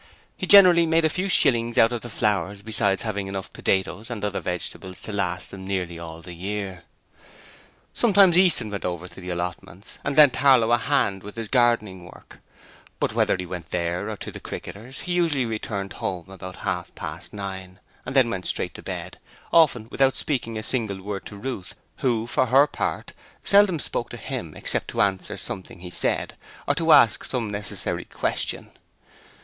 He generally made a few shillings out of the flowers, besides having enough potatoes and other vegetables to last them nearly all the year. Sometimes Easton went over to the allotments and lent Harlow a hand with this gardening work, but whether he went there or to the Cricketers, he usually returned home about half past nine, and then went straight to bed, often without speaking a single word to Ruth, who for her part seldom spoke to him except to answer something he said, or to ask some necessary question.